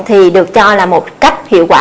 thì được cho là một cách hiệu quả